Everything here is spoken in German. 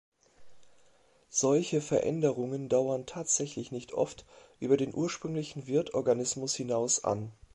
Solche Veränderungen dauern tatsächlich nicht oft über den ursprünglichen Wirtorganismus hinaus an.